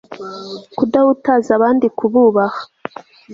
kudahutaza abandi kububaha